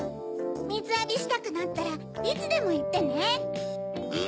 みずあびしたくなったらいつでもいってね。